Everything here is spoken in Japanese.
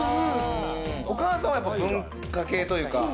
お母さんは文化系というか。